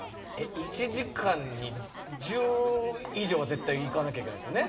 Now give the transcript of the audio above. １時間に１０以上は絶対行かなきゃいけないですよね？